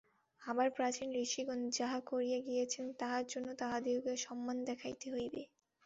আবার প্রাচীন ঋষিগণ যাহা করিয়া গিয়াছেন, তাহার জন্য তাহাদিগকে সম্মান দেখাইতে হইবে।